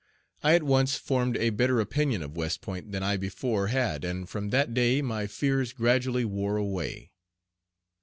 I at once formed a better opinion of West Point than I before had, and from that day my fears gradually wore away.